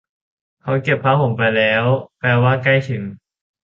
เขาเก็บผ้าห่มไปแล้ว แปลว่าใกล้ถึง ?